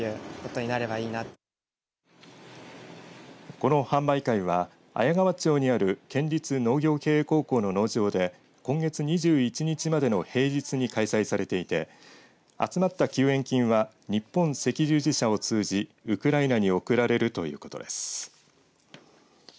この販売会は綾川町にある県立農業経営高校の農場で今月２１日までの平日に開催されていて集まった救援金は日本赤十字社を通じウクライナに送られるということです。